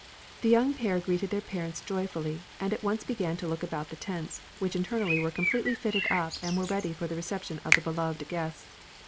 The young pair greeted their parents joyfully, and at once began to look about the tents, which internally were completely fitted up and were ready for the reception of the beloved guests.